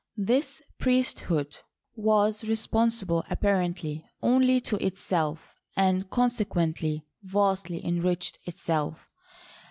This priesthood was responsible apparently only to itself, and consequently vastly enriched itself.